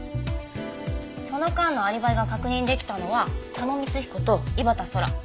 その間のアリバイが確認できたのは佐野光彦と井端空。